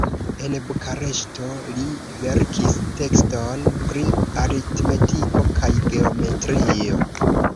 En Bukareŝto li verkis tekston pri aritmetiko kaj geometrio.